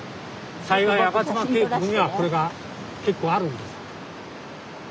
幸い吾妻渓谷にはこれが結構あるんです。